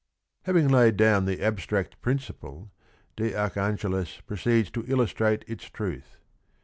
" Having laid down the abstract principle, de Archangelis proceeds to illustrate its truth.